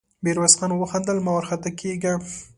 ميرويس خان وخندل: مه وارخطا کېږه!